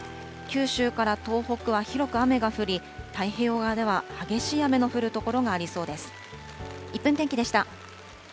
九州から東北は広く雨が降り、太平洋側では激しい雨の降る所がありそうです。